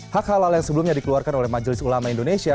hak halal yang sebelumnya dikeluarkan oleh majelis ulama indonesia